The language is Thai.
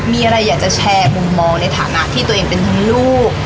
มีอะไรอยากจะแชร์มุมมองในฐานะที่ตัวเองเป็นทั้งลูก